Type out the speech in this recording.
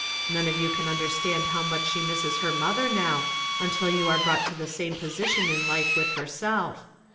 None of you can understand how much she misses her mother now, until you are brought to the same position in life with herself.